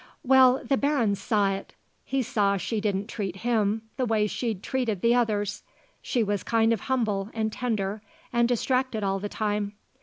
Well, the Baron saw it. He saw she didn't treat him the way she'd treated the others; she was kind of humble and tender and distracted all the time.